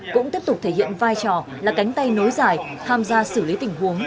cũng tiếp tục thể hiện vai trò là cánh tay nối dài tham gia xử lý tình huống